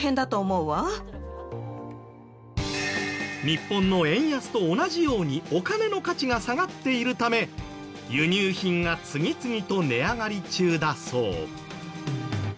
日本の円安と同じようにお金の価値が下がっているため輸入品が次々と値上がり中だそう。